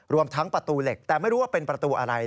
รวมทั้งประตูเหล็กแต่ไม่รู้ว่าเป็นประตูอะไร